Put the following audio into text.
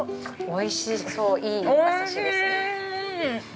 ◆おいしそう。